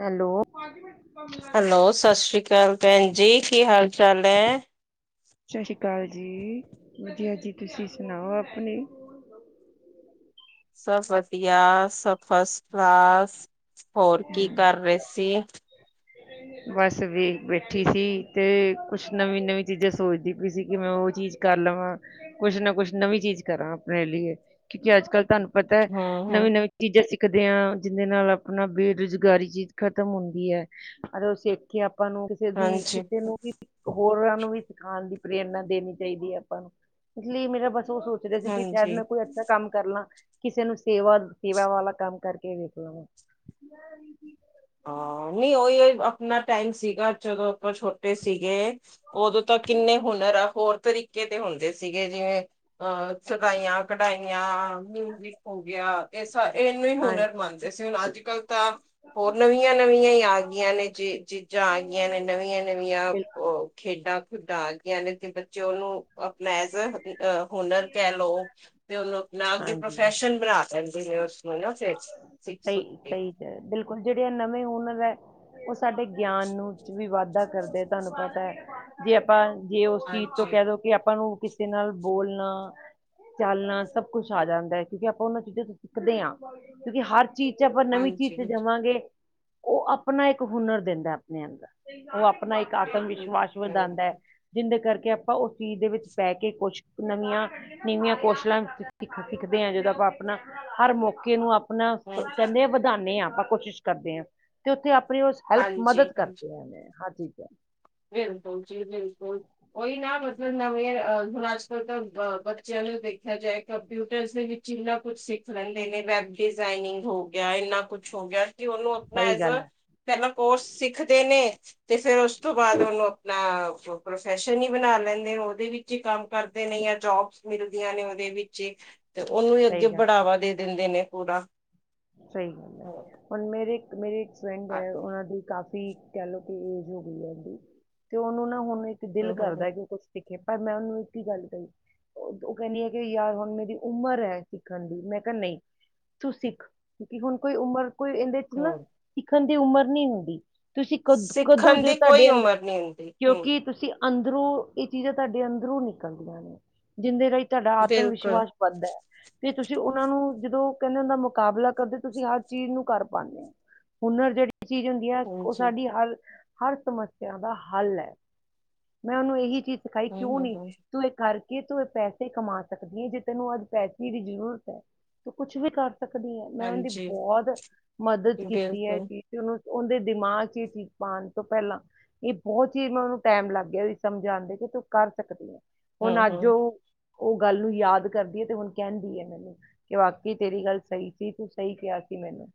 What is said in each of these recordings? Hello, hello ਸਤਿ ਸ੍ਰੀ ਅਕਾਲ ਭੈਣ ਜੀ, ਕੀ ਹਾਲ ਚਾਲ ਹੈ? ਸਤਿ ਸ਼੍ਰੀ ਅਕਾਲ ਜੀ ਜੀ, ਹਾਜੀ ਤੁਸੀਂ ਸੁਣਾਓ ਆਪਣੇ? ਸਭ ਵਧੀਆ ਫਸਟ ਕਲਾਸ ਹੋਰ ਹਾਂ। ਕੀ ਕਰ ਰਹੇ ਸੀ? ਬਸ ਵੀ ਬੈਠੀ ਸੀ ਤੇ ਕੁਛ ਨਵੀਂ-ਨਵੀਂ ਚੀਜ਼ਾਂ ਸੋਚਦੀ ਪਈ ਸੀ, ਕਿ ਮੈਂ ਉਹ ਚੀਜ਼ ਕਰ ਲਵਾਂ, ਕੁੱਛ ਨਾ ਕੁਛ ਨਵੀਂ ਚੀਜ਼ ਕਰਾਂ ਆਪਣੇ ਲਈ। ਕਿਉਂਕਿ ਅੱਜ ਕੱਲ ਤੁਹਾਨੂੰ ਪਤਾ ਹੂੰ, ਹੂੰ, ਨਵੀਂ ਨਵੀਂ ਚੀਜ਼ਾਂ ਸਿੱਖ ਦੇ ਹਾਂ, ਜਿਹਦੇ ਨਾਲ ਆਪਣਾ ਬੇਰੁਜ਼ਗਾਰੀ ਚੀਜ਼ ਖ਼ਤਮ ਹੁੰਦੀ ਹੈ। ਅਰ ਉਹ ਸਿੱਖ ਕੇ ਆਪਾਂ ਆਪਾਂ ਨੂੰ ਕਿਸੇ ਦੀ, ਹਾਂਜੀ, ਕਿਸੇ ਨੂੰ ਵੀ ਹੋਰਾਂ ਨੂੰ ਵੀ ਸਿਖਾਉਣ ਦੀ ਪ੍ਰੇਰਨਾ ਦੇਣੀ ਚਾਹੀਦੀ ਹੈ ਆਪਾਂ ਨੂੰ। ਇਸ ਲਈ ਮੇਰਾ ਬਸ ਉਹ ਸੋਚ ਰਹੇ ਸੀ ਕਿ ਸ਼ਾਇਦ ਹਾਂਜੀ। ਮੈਂ ਕੋਈ ਅੱਛਾ ਕੰਮ ਕਰ ਲਾਂ। ਕਿਸੇ ਨੂੰ ਸੇਵਾ, ਸੇਵਾ ਵਾਲਾ ਕੰਮ ਕਰਕੇ ਵੇਖ ਲਵਾਂ। ਕਿਨਾ ਟਾਈਮ ਸੀਗਾ ਜਦੋਂ ਅੱਪਾਂ ਛੋਟੇ ਸੀਗੇ। ਉਦੋਂ ਤਾਂ ਕਿੰਨੇ ਹੁਨਰ ਆ ਹੋਰ ਤਰੀਕੇ ਦੇ ਹੁੰਦੇ ਸੀਗੇ, ਜਿਵੇਂ ਅ ਚਟਾਈਆਂ, ਕਢਾਈਆਂ, ਮਿਉਜ਼ਿਕ ਹੋ ਗਿਆ। ਆਂ ਇੰਨੇ ਹੀ ਹਾਂਜੀ ਹੁਨਰ ਮੰਨਦੇ ਸੀ, ਹੁਣ ਅੱਜ ਕੱਲ੍ਹ ਤਾਂ ਹੋਰ ਨਵੀਆਂ- ਨਵੀਆਂ ਹੀ ਆ ਗਈਆਂ ਨੇ ਜੀ ਚੀਜ਼ਾਂ ਆ ਗਈਆਂ ਨੇ ਨਵੀਆਂ ਨਵੀਆਂ ਓ ਬਿਲਕੁਲ ਖੇਡਾਂ। ਡਾ ਗਿਆਂ ਨੇ ਤੇ ਬੱਚੇ ਉਹਨੂੰ ਅਪ ਮੈਜ ਅ ਹੁਨਰ ਕਹਿ ਲਓ ਤੇ ਉਹਨੂੰ ਆਪਣਾ ਅਗੇ ਹਾਂਜੀ ਪ੍ਰੋਫੈਸ਼ਨ ਬਣਾ ਸਕਦੀ ਏ ਓਸ ਸਹੀ [unintelligible] ਸਹੀ ਚ ਹੈ, ਬਿਲਕੁਲ ਜਿਹੜੇ ਐ ਨਵੇਂ ਹੁਣਰ ਐ ਉਹ ਸਾਡੇ ਗਿਆਨ ਨੂੰ ਚ ਵੀ ਵਾਧਾ ਕਰਦੇ, ਤੁਹਾਨੂੰ ਪਤਾ ਜੇ ਆਪਾਂ ਜੇ ਉਸ ਚੀਜ਼ ਤੋਂ ਹਾਂਜੀ ਕਹਿ ਦੋ ਕਿ ਆਪਾਂ ਨੂੰ ਕਿਸੇ ਨਾਲ ਬੋਲਣਾ ਚਾਲਣਾ ਸਭ ਕੁਛ ਆ ਜਾਂਦਾ ਐ, ਕਿਉਂਕਿ ਆਪਾਂ ਉਹਨਾਂ ਚੀਜ਼ਾਂ ਤੋਂ ਸਿੱਖਦੇ ਆਂ। ਕਿਉਂਕਿ ਹਰ ਚੀਜ਼ ਚ ਆਪਾਂ ਨਵੀਂ ਚੀਜ਼ ਹਾਂਜੀ ਚ ਹਾਂਜੀ ਜਾਵਾਂਗੇ। ਉਹ ਆਪਣਾ ਇੱਕ ਹੁਨਰ ਦਿੰਦਾ ਆਪਣੇ ਅੰਦਰ ਉਹ ਆਪ ਆਪਣਾ ਇੱਕ ਆਤਮ ਬਿਲਕੁਲ ਵਿਸ਼ਵਾਸ ਜੀ ਹਾਂਜੀ ਵਧਾਉਂਦੈ, ਜਿੰਦੇ ਕਰਕੇ ਕਿ ਆਪਾਂ ਉਸ ਚੀਜ਼ ਦੇ ਵਿੱਚ ਪੈ ਕੇ ਕੁਸ਼ ਨਵੀਆਂ ਨੀਵੀਆਂ ਕੋਸ਼ਲਾਂ ਸਿੱਖ ਸਿੱਖਦੇ ਹਾਂ ਜਦੋਂ ਆਪਾਂ ਆਪਣਾ ਹਰ ਮੌਕਾ ਕੇ ਨੂੰ ਆਪਣਾ ਹਾਂ, ਕਹਿੰਦੇ ਆ ਵਧਾਉਂਦੇ ਹਾਂ ਆਪਾਂ ਕੋਸ਼ਿਸ਼ ਕਰਦੇ ਹਾਂ, ਤੇ ਉੱਥੇ ਆਪ ਆਪ ਹੈਲਪ ਹਾਂਜੀ ਮਦਦ ਹਾਂਜੀ ਕਰਦੇ ਹਾਂ ਜੀ। ਬਿਲਕੁਲ ਜੀ ਬਿਲਕੁਲ ਉਹੀ ਨਾ ਮਤਲਬ ਨਵੇਂ ਅ ਹੁਣ ਅੱਜ ਕੱਲ੍ਹ ਤਾਂ ਬੱਚਿਆਂ ਨੂੰ ਦੇਖਿਆ ਜਾਏ, ਕੰਪਿਊਟਰ ਦੇ ਵਿੱਚ ਇੰਨਾ ਕੁਝ ਸਿੱਖ ਲੈਂਦੇ ਨੇ ਵੈ ਡਿਜ਼ਾਇਨਿੰਗ ਹੋ ਗਿਆ, ਇੰਨਾ ਕੁਛ ਹੋ ਗਿਆ ਤੇ ਉਹਨੂੰ ਆਪਣਾ ਸਹੀ ਐਜ ਗੱਲ ਹੈ ਪਹਿਲਾਂ ਕੋਰਸ ਸਿੱਖਦੇ ਨੇ ਤੇ ਫੇਿਰ ਉਸ ਉਸ ਤੋਂ ਬਾਅਦ ਉਹਨੂੰ ਆਪਣਾ ਪ੍ਰੋਫੈਸ਼ਨ ਹੀ ਬਣਾ ਲੈਂਦੇ, ਉਹਦੇ ਵਿੱਚ ਹੀ ਕੰਮ ਕਰਦੇ ਨੇ ਜਾਂ ਜੋਬ ਮਿਲਦੀਆਂ ਨੇ ਉਹਦੇ ਵਿੱਚ, ਤੇ ਉਹਨੂੰ ਹੀ ਅੱਗੇ ਸਹੀ ਗੱਲ ਹੈ ਬੜਾਵਾ ਦੇ ਦਿੰਦੇ ਨੇ ਪੂਰਾ। ਸਹੀ ਗੱਲ ਐ, ਹਾਂ, ਹੁਣ ਮੇਰੇ ਇੱਕ ਮੇਰੀ ਇੱਕ ਫਰੈਂਡ ਐ ਉਹਨਾਂ ਦੀ ਕਾਫ਼ੀ ਕਹਿ ਲਓ ਕਿ ਏਜ ਹੋ ਗਈ ਹੈ ਇਹਦੀ ਤੇ ਉਹਨੂੰ ਨਾ ਹੁਣ ਤੇ ਹਮ ਦਿਲ ਹਮ ਹਮ ਕਰਦਾ ਕਿ ਉਹ ਕੁਛ ਸਿੱਖੇ। ਪਰ ਮੈਂ ਉਹਨੂੰ ਇੱਕ ਹੀ ਗੱਲ ਕਹੀ ਉਹ ਕਹਿੰਦੀ ਐ ਕਿ ਯਾਰ ਹੁਣ ਮੇਰੀ ਉਮਰ ਐ ਸਿੱਖਣ ਦੀ। ਮੈਂ ਕਿਹਾ ਨਹੀਂ ਤੂੰ ਸਿੱਖ, ਕਿਉਕਿ ਹੁਣ ਕੋਈ ਉਮਰ ਕੋਈ ਇਹਦੇ ਚ ਨਾਂ ਹਮ। ਸਿੱਖਣ ਦੀ ਉਮਰ ਨਈਂ ਹੁੰਦੀ। ਤੁਸੀਂ ਕਦ ਕਦੋਂ ਸਿੱਖਣ ਜੋ ਦੀ ਕੋਈ ਤੁਹਾਡੇ ਅੰਦਰ ਉਮਰ ਨਹੀਂ ਹੁੰਦੀ ਹਮ ਕਿਉਂਕਿ ਤੁਸੀਂ ਅੰਦਰੋਂ ਇਹ ਚੀਜ਼ਾਂ ਤੁਹਾਡੇ ਅੰਦਰੋਂ ਨਿਕਲਦੀਆਂ ਨੇਂ। ਜਿੰਦੇ ਰਾਹੀਂ ਤੁਹਾਡਾ ਆਤਮ ਬਿਲਕੁਲ ਵਿਸ਼ਵਾਸ ਵਧਦੈ, ਤੇ ਤੁਸੀਂ ਉਹਨਾਂ ਨੂੰ ਜਦੋਂ ਕਹਿੰਦੇ ਓਨਾ ਮੁਕਾਬਲਾ ਕਦੇ ਤੁਸੀਂ ਹਰ ਚੀਜ਼ ਨੂੰ ਕਰ ਪਾਉਂਦੇ ਹੋ। ਹੁਨਰ ਜਿਹੜੀ ਚੀਜ਼ ਹੁੰਦੀ ਐ ਉਹ ਹਾਂਜੀ ਸਾਡੀ ਹਰ ਕ ਹਰ ਸਮੱਸਿਆ ਦਾ ਹੱਲ ਐ, ਮੈਂ ਉਹਨੂੰ ਇਹੀ ਚੀਜ਼ ਸਿਖਾਈ ਹਮ ਕਿਉਂ ਹਮ ਨਈ, ਹਮ ਤੂੰ ਇਹ ਕਰ। ਕਿ ਤੂੰ ਇਹ ਪੈਸੇ ਕਮਾ ਸਕਦੀ ਐ ਜੇ ਤੈਨੂੰ ਅੱਜ ਪੈਸੇ ਦੀ ਜ਼ਰੂਰਤ ਹੈ, ਤੂੰ ਕੁੱਛ ਵੀ ਕਰ ਸਕਦੀ ਐਂ, ਮੈਂ ਉਹਦੀ ਹਾਂਜੀ ਬਹੁਤ ਮਦਦ ਕੀਤੀ ਹੈ ਬਿਲਕੁਲ ਕਿ ਚਲੋ ਉਹਦੇ ਦਿਮਾਗ ਚ ਇਹ ਚੀਜ਼ ਪਾਉਣ ਤੋਂ ਪਹਿਲਾਂ, ਇਹ ਬਹੁਤ ਚੀਜ਼ ਮ ਉਹਨੂੰ ਟਾਈਮ ਲੱਗ ਅੱਗੇ ਵੀ ਸਮਝਾਂਦੇ ਕਿ ਤੂੰ ਕਰ ਸਕਦੀ ਆ। ਹਮ ਹੁਣ ਅੱਜ ਹਮ ਉਹ ਉਹ ਗੱਲ ਨੂੰ ਯਾਦ ਕਰਦੀ ਐ ਤੇ ਹੁਣ ਕਹਿੰਦੀ ਹੈ ਮੈਨੂੰ ਕਿ ਵਾਕਈ ਤੇਰੀ ਗੱਲ ਸਹੀ ਸੀ ਤੂੰ ਸਹੀ ਕਿਹਾ ਸੀ। ਮੈਨੂੰ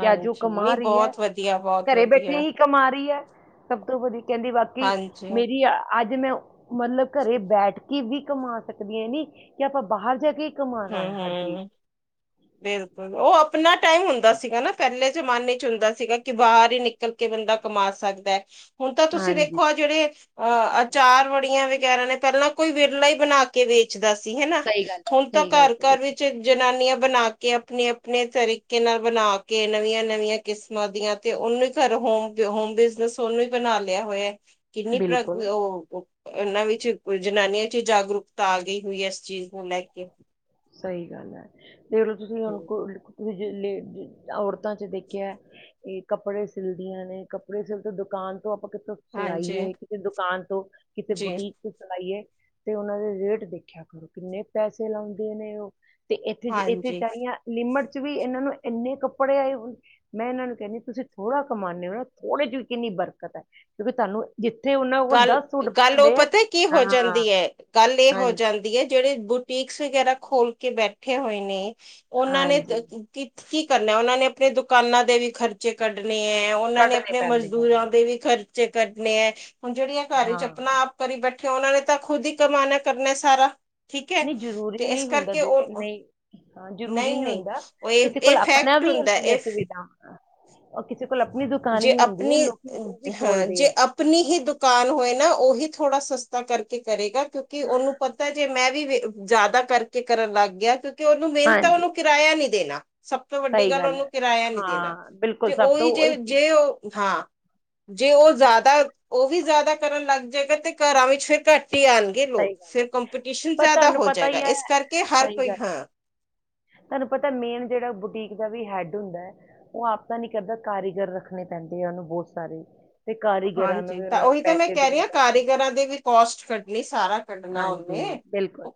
ਤੇ ਅੱਜ ਉਹ ਕਮਾ ਨਹੀਂ ਰਹੀ ਐ, ਬਹੁਤ ਵਧੀਆ ਬਹੁਤ ਘਰੇ ਬੈਠੇ ਵਧੀਆ ਹੀ ਕਮਾ ਰਹੀ ਐ। ਸਭ ਤੋਂ ਵਧੀ ਕਹਿੰਦੀ ਬਾਕੀ ਹਾਂਜੀ ਮੇਰੀ ਆ ਅੱਜ ਮੈਂ ਮਤਲਬ ਘਰੇ ਬੈਠ ਕੇ ਵੀ ਕਮਾ ਸਕਦੀ ਆਂ ਏ ਨੀਂ ਕਿ ਆਪਾਂ ਬਾਹਰ ਜਾ ਕੇ ਕਮਾਉਣਾ ਹਂ ਹੈ ਹਰ ਚੀਜ਼ ਹਂ, ਬਿਲਕੁਲ ਉਹ ਆਪਣਾ ਟਾਈਮ ਹੁੰਦਾ ਸੀਗਾ ਨਾਂ, ਪਹਿਲੇ ਜਮਾਨੇ ਚ ਹੁੰਦਾ ਸੀਗਾ ਕਿ ਬਾਹਰ ਹੀ ਨਿਕਲ ਕੇ ਬੰਦਾ ਕਮਾ ਸਕਦਾ ਏ। ਹੁਣ ਤਾਂ ਤੁਸੀਂ ਹਾਂਜੀ ਦੇੇਖੋ ਆ ਜਿਹੜੇ ਅਹ ਅਚਾਰ ਵੜੀਆਂ ਵਗੈਰਾ ਨੇਂ ਪਹਿਲਾਂ ਕੋਈ ਵਿਰਲਾ ਹੀ ਬਣਾ ਕੇ ਵੇਚਦਾ ਸੀ ਹਨਾ, ਸਹੀ ਗੱਲ ਹੁਣ ਤਾਂ ਸਹੀ ਗੱਲ ਕਹੀ ਘਰ-ਘਰ ਵੈਸੇ ਵਿੱਚ ਜਨਾਨੀਆਂ ਬਣਾ ਕੇ ਆਪਣੇ-ਆਪਣੇ ਤਰੀਕੇ ਨਾਲ ਬਣਾ ਕੇ ਨਵੀਆਂ- ਨਵੀਆਂ ਕਿਸਮਾਂ ਦੀਆਂ ਤੇ ਉਹਨੂੰ ਹੀ ਘਰੋਂ ਹੋਮ ਹੋਮ ਬਿਜਨਸ ਉਹਨੂੰ ਹੀ ਬਣਾ ਲਿਆ ਹੋਇਆ। ਕਿੰਨੀ ਪ੍ਰ ਬਿਲਕੁਲ ਉਹ ਇਹਨਾਂ ਵਿੱਚ ਜਨਾਨੀਆਂ ਚ ਜਾਗਰੂਕਤਾ ਆ ਗਈ ਹੋਈ ਏ ਇਸ ਚੀਜ਼ ਨੂੰ ਲੈ ਕੇ। ਸਹੀ ਗੱਲ ਐ ਤੇ ਤੁਸੀਂ ਹੁਣ ਹਮ, ਕੋ ਤੁਸੀਂ ਲ ਔਰਤਾਂ ਚ ਦੇਖਿਆ ਇਹ ਕੱਪੜੇ ਸਿਲਦੀਆਂ ਨੇਂ, ਕੱਪੜੇ ਸਿਲ ਤੋਂ ਦੁਕਾਨ ਤੇ ਆਪਾਂ ਕਿਥੋਂ ਹਾਂਜੀ ਸਿਲਾਈਏ, ਕਿਸੇ ਦੁਕਾਨ ਤੋਂ, ਕਿਸੇ ਜੀ ਬੁਟੀਕ ਤੋਂ ਸਿਲਾਈਏ। ਤੇ ਉਹਨਾਂ ਦੇ ਰੇਟ ਦੇਖਿਆ ਕਰੋ, ਕਿੰਨੇ ਪੈਸੇ ਲਾਉਂਦੇ ਨੇ ਉਹ ਤੇ ਇੱਥੇ ਇੱਥੇ ਹਾਂਜੀ ਚ ਲਿਮਟ ਵੀ ਇਹਨਾਂ ਨੂੰ ਇੰਨੇ ਕੱਪੜੇ ਆਏ, ਮੈਂ ਇਹਨਾਂ ਨੂੰ ਕਹਿੰਦੀ ਤੁਸੀਂ ਥੋੜਾ ਕਮਾਉਂਦੇ ਹੋ, ਨਾ ਥੋੜੇ ਚ ਵੀ ਕਿੰਨੀ ਬਰਕਤ ਹੈ ਕਿਉਂਕਿ ਤੁਹਾਨੂੰ ਜਿੱਥੇ ਉਹਨਾਂ ਕੋਲ ਗੱਲ ਸੂਟ ਗੱਲ ਉਹ ਹੁੰਦੇ ਆ ਪਤਾ ਕੀ ਹੋ ਜਾਂਦੀ ਹਾਂ ਏ, ਗੱਲ ਇਹ ਹੋ ਹਾਂਜੀ ਜਾਂਦੀ ਏ ਜਿਹੜੇ ਬੁਟੀਕਸ ਵਗੈਰਾ ਖੋਲ ਕੇ ਬੈਠੇ ਹੋਏ ਨੇ ਉਹਨਾਂ ਨੇ ਹਾਂਜੀ ਕੀ ਕਰਨਾ ਉਹਨਾਂ ਨੇ ਆਪਣੇ ਦੁਕਾਨਾਂ ਦੇ ਵੀ ਖਰਚੇ ਕੱਢਣੇ ਕੱਢਣੇ ਐ, ਉਹਨਾਂ ਨੇ ਕੱਢਣੇ ਆਪਣੇ ਪੈਂਦੇ ਆ ਮਜ਼ਦੂਰਾਂ ਦੇ ਵੀ ਖਰਚੇ ਕੱਢਣੇ ਐ। ਹੁਣ ਜਿਹੜੀਆਂ ਘਰ ਚ ਆਪਣਾ ਹਾਂ ਆਪ ਕਰੀ ਬੈਠੀਆਂ, ਉਹਨਾਂ ਨੇ ਤਾਂ ਖੁਦ ਹੀ ਕਮਾਨਾ ਕਰਨਾ ਸਾਰਾ। ਠੀਕ ਹੈ ਨਹੀਂ ਜ਼ਰੂਰੀ ਤੇ ਇਸ ਨਹੀਂ ਹੁੰਦਾ, ਕਰਕੇ ਉਹ ਨਹੀਂ ਹਾਂ, ਜ਼ਰੂਰੀ ਨਹੀਂ ਹੁੰਦਾ ਉਹ ਇਹ ਕਿਸੇ ਕੋਲ ਇਹ ਆਪਣਾ ਫੈਕਟ ਵੀ ਹੁੰਦਾ ਹੁੰਦੀ ਹੈ ਇਹ ਸੁਵਿਧਾ ਆ। ਜੇ ਆਪਣੀ ਵੀ ਹਾਂ, ਖੋਲਦੇ ਜੇ ਹੈ ਆਪਣੀ ਹੀ ਦੁਕਾਨ ਹੋਏ ਨਾ ਉਹੀ ਥੋੜਾ ਸਸਤਾ ਕਰਕੇ ਕਰੇਗਾ, ਕਿਉਂਕਿ ਉਹਨੂੰ ਪਤਾ ਜੇ ਮੈਂ ਵੀ ਜ਼ਿਆਦਾ ਕਰਕੇ ਕਰਨ ਲੱਗ ਗਿਆ ਕਿ ਕਿ ਉਹਨੂੰ ਮਿਹਨਤ ਆ, ਹਾਂਜੀ ਉਹਨੂੰ ਕਿਰਾਇਆ ਨੀਂ ਦੇਣਾ। ਸਭ ਤੋਂ ਵੱਡੀ ਸਹੀ ਗੱਲ ਹੈ ਉਹਨੂੰ ਕਿਰਾਇਆ ਨੀਂ ਦੇਣਾ, ਹਾਂ ਬਿਲਕੁਲ ਤੇ ਸਭ ਉਹੀ ਤੋਂ ਜੇ ਚੀਜ਼ ਜੇ ਉਹ ਹਾਂ, ਜੇ ਉਹ ਜ਼ਿਆਦਾ ਉਹ ਵੀ ਜ਼ਿਆਦਾ ਕਰਨ ਲੱਗ ਜਾਏਗਾ ਤੇ ਘਰਾਂ ਵਿੱਚ ਫਿਰ ਘੱਟ ਆਂਣਗੇ ਲੋਕ, ਸਹੀ ਗੱਲ ਫਿਰ ਹੈ ਕੰਪੀਟੀਸ਼ਨ ਪਰ ਜ਼ਿਆਦਾ ਤੁਹਾਨੂੰ ਹੋ ਪਤਾ ਜਾਏਗਾ, ਹੀ ਹੈ ਇਸ ਕਰਕੇ ਹਰ ਸਹੀ ਕੋਈ ਗੱਲ ਹੈ ਹਾਂ। ਤੁਹਾਨੂੰ ਪਤਾ ਮੇਨ ਜਿਹੜਾ ਬੁ ਇਕ ਹੈਡ ਹੁੰਦਾ ਏ, ਉਹ ਆਪ ਤਾਂ ਨੀਂ ਕਰਦਾ, ਕਾਰੀਗਰ ਰੱਖਣੇ ਪੈਂਦੇ ਆ ਉਹਨੂੰ ਬਹੁਤ ਸਾਰੇ ਤੇ ਕਾਰੀਗਰਾਂ ਨੂੰ ਹਾਂਜੀ ਵੀ ਤਾਂ ਉਹਨਾਂ ਨੂੰ ਉਹੀ ਤਾਂ ਮੈਂ ਪੈਸੇ ਕਹਿ ਰਹੀ ਦੇਣੇ ਹਾਂ, ਪੈਂਦੇ ਆ। ਕਾਰੀਗਰਾਂ ਦੇ ਵੀ ਕੋਸਟ ਕੱਢਣੀ ਸਾਰਾ ਕੱਢ ਹਾਂਜੀ, ਬਿਲਕੁਲ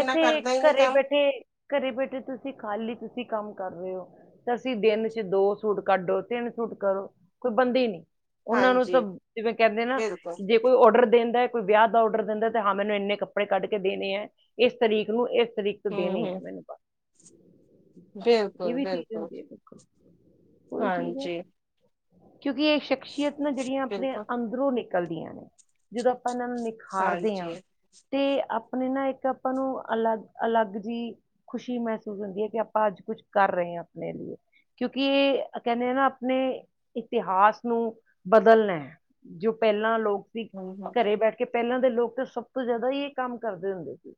ਇੱਥੇ ਕਰਦਾ ਹੀ ਨਹੀਂ ਘਰੇ ਕੰਮ ਬੈਠੇ ਘਰੇ ਬੈਠੇ ਤੁਸੀਂ ਖਾਲੀ ਤੁਸੀਂ ਕੰਮ ਕਰ ਰਹੇ ਹੋ ਤੇ ਅਸੀਂ ਦਿਨ ਚ ਦੋ ਸੂਟ ਕੱਢੋ, ਤਿੰਨ ਸੂਟ ਕਰੋ ਕੋਈ ਪਾਬੰਦੀ ਨਹੀ। ਉਹਨਾਂ ਨੂੰ ਤਾਂ ਹਾਂਜੀ ਜਿਵੇਂ ਕਹਿੰਦੇ ਨਾ, ਬਿਲਕੁਲ ਕਿ ਜੇ ਕੋਈ ਔਡਰ ਦਿੰਦਾ, ਕੋਈ ਵਿਆਹ ਦਾ ਡਰ ਦਿੰਦਾ ਹਾਂ, ਮੈਨੂੰ ਇੰਨੇ ਕੱਪੜੇ ਕੱਢ ਕੇ ਦੇਣੇ ਐ, ਇਸ ਤਰੀਕ ਨੂੰ ਇਸ ਤਰੀਕ ਤੋਂ ਹਮ ਦੇਣੇ ਐ ਹਮ ਮੈਨੂੰ ਇਹ ਬਿਲਕੁਲ ਵੀ ਚੀਜ਼ ਬਿਲਕੁਲ ਹੁੰਦੀ ਹੈ ਦੇਖੋ ਕੋਈ ਚੀਜ਼ ਹੈ ਹਾਂਜੀ। ਕਿਉਂਕਿ ਇਹ ਸ਼ਖਸੀਅਤ ਨਾ ਜਿਹੜੀਆਂ ਆਪਣੇ ਬਿਲਕੁਲ ਅੰਦਰੋਂ ਨਿਕਲਦੀਆਂ ਨੇ, ਜਦੋਂ ਆਪਾਂ ਇਹਨਾਂ ਨੂੰ ਨਿਖਾਰ ਜੀ। ਤੇ ਆਪਣੇ ਨਾ ਇੱਕ ਆਪਾਂ ਨੂੰ ਅਲੱਗ ਅਲੱਗ ਜਿਹੀ ਖੁਸ਼ੀ ਮਹਿਸੂਸ ਹੁੰਦੀ ਏ ਕਿ ਆਪਾਂ ਅੱਜ ਕੁਛ ਕਰ ਰਹੇ ਆਪਣੇ ਲਈ। ਕਿਉਂਕਿ ਇਹ ਕਹਿੰਦੇ ਆ ਨਾ ਆਪਣੇ ਇਤਿਹਾਸ ਨੂੰ ਬਦਲਣਾ ਐ ਜੋ ਪਹਿਲਾਂ ਲੋਕ ਹਮ ਘਰੇ ਬੈਠ ਕੇ ਪਹਿਲਾਂ ਦੇ ਲੋਕ ਤਾਂ ਸਭ ਤੋਂ ਜ਼ਿਆਦਾ ਹੀ ਇਹ ਕੰਮ ਕਰਦੇ ਹੁੰਦੇ ਸੀ,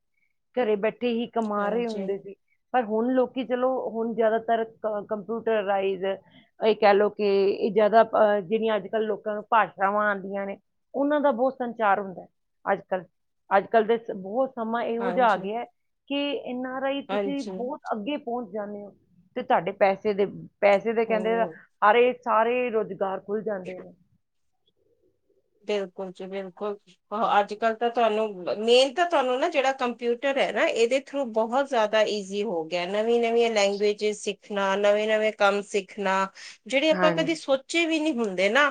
ਘਰੇ ਬੈਠੇ ਬੈਠੇ ਹੀ ਕਮਾ ਰਹੇ ਹਾਂਜੀ ਹੁੰਦੇ ਸੀ। ਪਰ ਹੁਣ ਲੋਕੀ ਚਲੋ, ਹੁਣ ਜਿਆਦਾਤਰ ਕੰਪਿਊਟਰਈਜ਼ਡ ਇਹ ਕਹਿਲੋ ਕੇ ਕਿ ਜ਼ਿਆਦਾ ਅ ਜਿਹੜੀਆਂ ਅੱਜ ਕੱਲ੍ਹ ਲੋਕਾਂ ਨੂੰ ਭਾਸ਼ਾਵਾਂ ਆਉਂਦੀਆਂ ਨੇ, ਉਹਨਾਂ ਦਾ ਬਹੁਤ ਸੰਚਾਰ ਹੁੰਦਾ ਅੱਜ। ਅੱਜ ਕੱਲ ਦੇ ਬਹੁਤ ਸਮਾਂ ਇਹੋ ਜਿਹਾ ਆ ਹਾਂਜੀ ਗਿਆ ਕਿ ਐੱਨ ਆਰ ਆਈ ਤੁਸੀਂ ਹਾਂਜੀ ਹਾਂਜੀ ਬਹੁਤ ਅੱਗੇ ਪਹੁੰਚ ਜਾਂਦੇ ਹੋ, ਤੇ ਤੁਹਾਡੇ ਪੈਸੇ ਦੇ ਵੈਸੇ ਤੇ ਕਹਿੰਦੇ ਹਮ ਹਰੇ ਸਾਰੇ ਰੁਜ਼ਗਾਰ ਖੁੱਲ ਜਾਂਦੇ ਨੇ ਬਿਲਕੁਲ ਜੀ ਬਿਲਕੁਲ ਅੱਜ ਕੱਲ ਤਾਂ ਤੁਹਾਨੂੰ ਮੇਨ ਤਾਂ ਤੁਹਾਨੂੰ ਨਾ ਜਿਹੜਾ ਕੰਪਿਊਟਰ ਹੈ ਨਾ ਇਹਦੇ ਥਰੂ ਬਹੁਤ ਜ਼ਿਆਦਾ ਈਜ਼ੀ ਹੋ ਗਿਆ ਨਵੀਂ-ਨਵੀਂ ਲੈਂਗੁਏਜ ਸਿੱਖਣਾ ਨਵੇਂ ਨਵੇਂ ਕੰਮ ਸਿੱਖਣਾ ਜਿਹੜੇ ਆਪਾਂ ਕਦੇ ਹਾਂਜੀ ਸੋਚੇ ਵੀ ਨਹੀਂ ਹੁੰਦੇ ਨਾ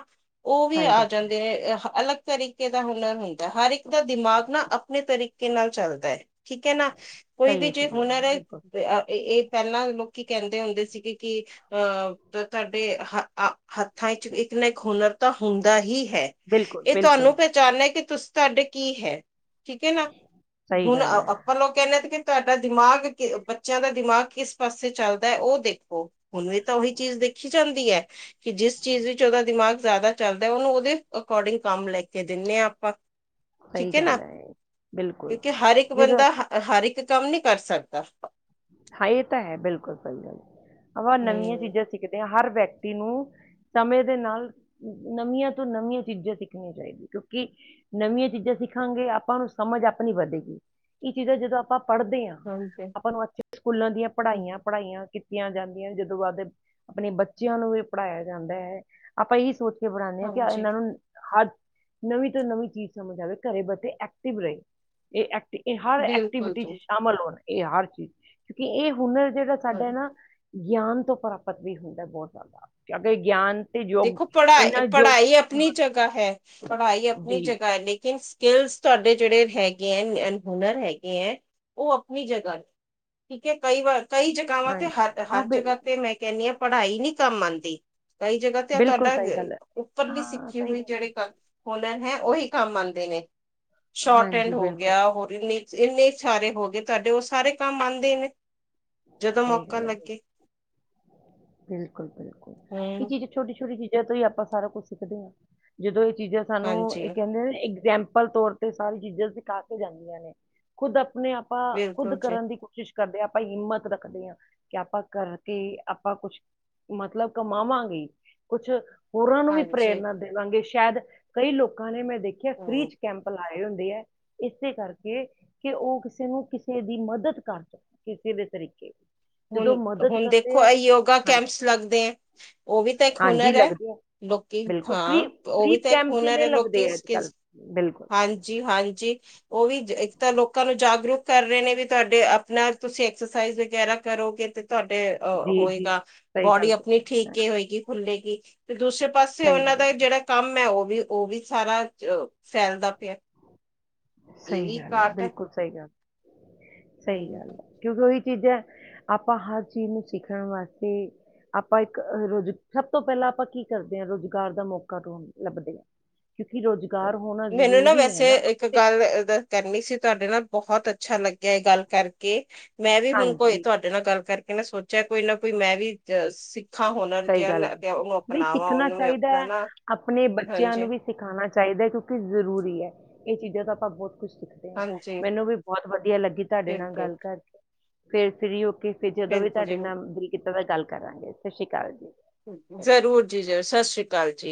ਉਹ ਵੀ ਸਹੀ ਆ ਗੱਲ ਹੈ, ਜਾਂਦੇ। ਨੇ ਅਲੱਗ ਤਰੀਕੇ ਦਾ ਹੁਨਰ ਹੁੰਦਾ ਹਰ ਇੱਕ ਦਾ ਦਿਮਾਗ ਨਾ ਆਪਣੇ ਤਰੀਕੇ ਨਾਲ ਚੱਲਦੇ ਠੀਕ ਹੈ ਨਾ ਕੋਈ ਸਹੀ ਵੀ ਹੈ ਸਹੀ ਜੇ ਗੱਲ ਹੁਨਰ ਹੈ ਬਿਲਕੁਲ ਅ ੲਏ ਪਹਿਲਾਂ ਲੋਕੀ ਕਹਿੰਦੇ ਹੁੰਦੇ ਸੀਗੇ ਕਿ ਅਹ ਤੁਹਾਡੇ ਹ ਹੱਥਾਂ ਵਿੱਚ ਇੱ ਇੱਕ ਹੁਨਰ ਤਾਂ ਹੁੰਦਾ ਹੀ ਹੈ। ਬਿਲਕੁਲ ਇਹ ਬਿਲਕੁਲ ਤੁਹਾਨੂੰ ਪਹਿਚਾਣੇ ਕਿ ਤੁਸੀਂ ਤੁਹਾਡੇ ਕੀ ਹੈ। ਠੀਕ ਹੈ ਨਾ ਸਹੀ ਹੁਣ ਗੱਲ ਹੈ ਆਪਾਂ ਲੋਕ ਕਹਿੰਦੇ ਕੇ ਤੁਹਾਡਾ ਦਿਮਾਗ ਬੱਚਿਆਂ ਦਾ ਦਿਮਾਗ ਕਿਸ ਪਾਸੇ ਚੱਲਦਾ ਹੈ ਉਹ ਦੇਖੋ ਹੁਣ ਵੀ ਤਾਂ ਉਹੀ ਚੀਜ਼ ਦੇ ਦੇਖੀ ਜਾਂਦੀ ਹੈ ਕਿ ਜਿਸ ਚੀਜ਼ ਵਿੱਚ ਉਹਦਾ ਦਿਮਾਗ ਜ਼ਿਆਦਾ ਚੱਲਦਾ ਉਹਨੂੰ ਉਹਦੇ ਅਕੋਰਡਿੰਗ ਕੰਮ ਲੈ ਕੇ ਦਿਨੇ ਹਾਂ ਆਪਾਂ, ਸਹੀ ਠੀਕ ਹੈ ਨਾ ਗੱਲ ਇਹ, ਬਿਲਕੁਲ ਕਿਉਂਕਿ ਹਰ ਇੱਕ ਜਦੋਂ ਬੰਦਾ ਹਰ ਇੱਕ ਕੰਮ ਨਈ ਕਰ ਸਕਦਾ। ਹਾਂ ਇਹ ਤਾਂ ਹੈ ਬਿਲਕੁਲ ਸਹੀ ਗੱਲ ਅਪਾ ਨਵੀਆਂ ਹਮ ਚੀਜ਼ਾਂ ਸਿੱਖਦੇ ਹਾਂ ਹਰ ਵਿਅਕਤੀ ਨੂੰ ਸਮੇਂ ਦੇ ਨਾਲ ਨਵੀਆਂ ਤੋਂ ਨਵੀਆਂ ਚੀਜ਼ਾਂ ਸਿੱਖਣੀਆਂ ਚਾਹੀਦੀਆਂ ਕਿਉਂਕਿ ਨਵੀਆਂ ਚੀਜ਼ਾਂ ਸਿੱਖਾਂਗੇ ਆਪਾਂ ਸਮਝ ਆਪਣੀ ਵਧੇਗੀ ਇਹ ਚੀਜ਼ਾਂ ਜਦੋਂ ਆਪਾਂ ਪੜ੍ਹਦੇ ਹਾਂ ਹਾਂਜੀ ਆਪਾਂ ਨੂੰ ਅੱਛੇ ਸਕੂਲਾਂ ਦੀਆਂ ਪੜ੍ਹਾਈਆਂ-ਪੜ੍ਹਾਈਆਂ ਕੀਤੀਆਂ ਜਾਂਦੀਆਂ ਜਦੋਂ ਬਾਅਦ ਆਪਣੇ ਬੱਚਿਆਂ ਨੂੰ ਵੀ ਪੜ੍ਹਾਇਆ ਜਾਂਦਾ ਹੈ ਆਪਾਂ ਇਹੀ ਸੋਚ ਪੜ੍ਹਾਨੇ ਆ ਹਾਂ ਕਿ ਹਾਂਜੀ ਇਹਨਾਂ ਨੂੰ ਹਰ ਨਵੀਂ ਤੋਂ ਨਵੀਂ ਚੀਜ਼ ਸਮਝ ਆਵੇ ਘਰੇ ਬੈਠੇ ਐਕਟਿਵ ਰਹੇ ਇਹ ਐਕਟਵ ਇਹ ਹਰ ਬਿਲਕੁਲ ਐਕਟੀਵਿਟੀ ਚ ਜੀ ਸ਼ਾਮਿਲ ਹੋਣ ਇਹ ਹਰ ਚੀਜ਼ ਕਿਉਂਕਿ ਇਹ ਹੁਨਰ ਜਿਹੜਾ ਹਾਂਜੀ ਸਾਡਾ ਏ ਨਾ ਗਿਆਨ ਤੋਂ ਪ੍ਰਾਪਤ ਵੀ ਹੁੰਦਾ ਬਹੁਤ ਜ਼ਿਆਦਾ ਕਿਉਂਕਿ ਗਿਆਨ ਤੇ ਯੋਗ ਦੇਖੋ ਇਹਨਾ ਯੋਗ ਪੜ੍ਹਾਈ-ਪੜ੍ਹਾਈ ਆਪਣੀ ਹਾਂ, ਜਗ੍ਹਾ ਹੈ ਪੜ੍ਹਾਈ ਆਪਣੀ ਜੀ ਜਗਾਹ ਹੈ ਲੇਕਿ ਸਕਕਿਲਸ ਤੁਹਾਡੇ ਜਿਹੜੇ ਹੈਗੇ ੲ ਹੁਨਰ ਹੈਗੇ ਹੈ ਉਹ ਆਪਣੀ ਜਗ੍ਹਾ ਠੀਕ ਹੈ ਕਈ ਵਾਰ ਕਈ ਜਗ੍ਹਾਵਾਂ ਤੇ ਹਾਂਜੀ ਹਰ, ਹਾਂ ਹਰ ਬਿਲ- ਜਗ੍ਹਾ ਤੇ ਮੈਂ ਕਹਿੰਦੀ ਹਾਂ ਪੜ੍ਹਾਈ ਨਈ ਕੰਮ ਆਉਂਦੀ ਕਈ ਜਗ੍ਹਾ ਬਿਲਕੁਲ ਤੁਹਾਡਾ ਸਹੀ ਗੱਲ ਹੈ ਉੱਪਰਲੀ ਹਾਂ ਸਿੱਖੀ ਸਹੀ ਹੋਈ ਗੱਲ ਜਿਹੜੇ ਕ ਹੁਨਰ ਹੈ ਉਹੀ ਕੰਮ ਆਉਂਦੇ ਨੇ। ਹੈ। ਸ਼ੋਰਟ ਐਂਡ ਹਾਂਜੀ ਹੋ ਬਿਲਕੁਲ ਗਿਆ ਹੋਰ ਇਨੇ ਇੰਨੇ ਸਾਰੇ ਹੋ ਗਏ ਤੁਹਾਡੇ ਉਹ ਸਾਰੇ ਕੰਮ ਆਉਂਦੇ ਨੇ ਜਦੋਂ ਸਹੀ ਮੌਕਾ ਗੱਲ ਹੈ ਲੱਗੇ। ਬਿਲਕੁਲ ਬਿਲਕੁਲ ਇਹ ਹਮ ਚੀਜ਼ ਛੋਟੀ ਛੋਟੀ ਚੀਜ਼ ਤੋਂ ਹੀ ਆਪਾਂ ਸਾਰਾ ਕੁਛ ਸਿੱਖਦੇ ਆਂ ਜਦੋਂ ਇਹ ਚੀਜ਼ਾਂ ਸਾਨੂੰ ਹਾਂਜੀ ਇਹ ਕਹਿੰਦੇ ਸੈਂਪਲ ਤੌਰ ਤੇ ਸਾਰੀ ਚੀਜ਼ਾਂ ਸਿਖਾ ਕੇ ਜਾਂਦੀਆਂ ਨੇ ਖੁਦ ਆਪਣੇ ਆਪਾਂ ਖੁਦ ਬਿਲਕੁਲ ਜੀ ਕਰਨ ਦੀ ਕੋਸ਼ਿਸ਼ ਕਰਦੇ ਹਾਂ ਆਪ ਆਪਾਂ ਹਿੰਮਤ ਰੱਖਦੇ ਹਾਂ ਕਿ ਆਪਾਂ ਕਰਕੇ ਆਪਾਂ ਕੁਛ ਮਤਲਬ ਕਮਾਵਾਂਗੇ ਕੁਛ ਹੋਰਾਂ ਨੂੰ ਵੀ ਹਾਂਜੀ ਪ੍ਰੇਰਨਾ ਦੇਵਾਂਗੇ ਸ਼ਾਇਦ ਕਈ ਲੋਕਾਂ ਨੇ ਮੈਂ ਦੇਖਿਆ ਹਮ ਫ੍ਰੀ ਚ ਕੈਂਪ ਲਾਏ, ਹੁੰਦੇ ਹੈ ਇਸੇ ਕਰਕੇ ਕਿ ਉਹ ਕਿਸੇ ਨੂੰ ਕਿਸੇ ਦੀ ਮਦਦ ਕਰ ਮਕਣ। ਕਿਸੇ ਵੀ ਤਰੀਕੇ ਹੁਣ ਮਦਦ ਹੁਣ ਕਰਦੇ ਦੇਖੋ ਇਹ ਆ ਯੋਗਾ ਕੈਂਪਸ ਲੱਗਦੇ ਹੈ ਉਹ ਵੀ ਤਾਂ ਇੱਕ ਹਾਂਜੀ ਹੁਨਰ ਹੈ। ਲੱਗਦੇ ਆ ਲੋਕੀ ਬਿਲਕੁਲ ਹਾਂ ਉਹ ਵੀ ਤਾਂ ਇੱਕ ਹੁਨਰ ਕਿੰਨੇ ਹੈ ਲੋਕੀ ਲੱਗਦੇ ਆ ਅੱਜਕਲ ਇਸ ਬਿਲਕੁਲ ਹਾਂਜੀ-ਹਾਂਜੀ। ਉਹ ਵੀ ਇੱਕ ਤਾਂ ਲੋਕਾਂ ਨੂੰ ਜਾਗਰੂਕ ਕਰ ਰਹੇ ਨੇ ਵੀ ਤੁਹਾਡੇ ਆਪਣਾ ਤੁਸੀਂ ਐਕਸਰਸਾਈਜ਼ ਵਗੈਰਾ ਕਰੋਗੇ ਤੇ ਤੁਹਾਡੇ ਅ ਜੀ ਜੀ ਹੋਏਗਾ ਸਹੀ ਗੱਲ ਬੋਡੀ ਆਪਣੀ ਠੀਕ ਹੀ ਹੋਏਗੀ ਖੁੱਲੇਗੀ। ਤੇ ਦੂਸਰੇ ਪਾਸੇ ਸਹੀ ਉਹਨਾਂ ਗੱਲ ਦਾ ਹੈ, ਜਿਹੜਾ ਕੰਮ ਹੈ ਉਹ ਵੀ ਉਹ ਵੀ ਸਾਰਾ ਫੈਲਦਾ ਪਿਆ। ਇਹ ਸਹੀ ਵੀ ਗੱਲ ਹੈ ਘਾਟ ਬਿਲਕੁਲ ਸਹੀ ਗੱਲ ਸਹੀ ਗੱਲ ਹਮ। ਹੈ ਕਿਉਂਕਿ ਉਹੀ ਚੀਜ਼ ਏ, ਆਪਾਂ ਹਰ ਚੀਜ਼ ਨੂੰ ਸਿੱਖਣ ਵਾਸਤੇ ਆਪਾਂ ਇੱਕ ਰੋਜ਼ ਸਭ ਤੋਂ ਪਹਿਲਾਂ ਆਪਾਂ ਕੀ ਕਰਦੇ ਹਾਂ ਰੋਜ਼ਗਾਰ ਦਾ ਮੌਕਾ ਰਣ ਲੱਭਦੇ ਹਾਂ। ਕਿਉਂਕਿ ਰੁਜ਼ਗਾਰ ਹੋਣਾ ਮੈਨੂੰ ਜ਼ਰੂਰੀ ਹੈ ਨਾ ਵੈਸੇ ਆਪਾਂ ਇੱਕ ਕਿਤੇ ਗੱਲ ਅ ਕਰਨੀ ਸੀ ਤੁਹਾਡੇ ਨਾਲ ਬਹੁਤ ਅੱਛਾ ਲੱਗਿਆ ਇਹ ਗੱਲ ਕਰਕੇ ਮੈਂ ਵੀ ਹੁਣ ਕੋਈ ਹਾਂਜੀ ਤੁਹਾਡੇ ਨਾਲ ਗੱਲ ਕਰਕੇ ਸੋਚਿਆ ਕੋਈ ਨਾ ਕੋਈ, ਸਿੱਖਾਂ ਹੁਨਰ ਸਹੀ ਜਿਹਾ ਗੱਲ ਹੈ ਲੇ ਕੇ ਉਹਨੂੰ ਨਹੀਂ ਅਪਨਵਾ ਸਿੱਖਣਾ ਉਹਨੂੰ ਚਾਹੀਦਾ ਹੈ ਆਪਣਾ ਆਪਣੇ ਬੱਚਿਆਂ ਨੂੰ ਵੀ ਸਿਖਾਉਣਾ ਚਾਹੀਦਾ ਕਿਉਂਕਿ ਜ਼ਰੂਰੀ ਹੈ। ਕੁਛ ਸਿੱਖਦੇ ਆ ਹਾਂਜੀ ਮੈਨੂੰ ਵੀ ਬਹੁਤ ਲੱਗੀ ਤੁਹਾਡੇ ਨਾਲ ਬਿਲਕੁਲ ਗੱਲ ਕਰਕੇ ਫੇਰ ਫਰੀ ਹੋਕੇ, ਫ ਜਦੋਂ ਵੀ ਬਿਲਕੁਲ ਤੁਹਾਡੇ ਜੀ ਨਾਲ ਜੀ ਕੀਤਾ ਤੇ ਗੱਲ ਕਰਾਂਗੇ ਸਤਿ ਸੀ ਅਕਾਲ ਦੀ ਜ਼ਰੂਰ ਜੀ ਸਾਸਰੀ ਕਾਲ ਜੀ,